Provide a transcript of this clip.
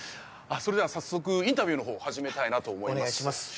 それでは早速インタビューの方始めたいなと思いますお願いします